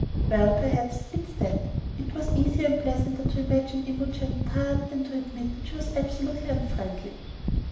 "Well, perhaps it is that." It was easier and pleasanter to imagine Imogen tired than to admit that she was absolutely unfriendly.